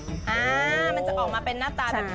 อ่ามันจะออกมาเป็นหน้าตาแบบนี้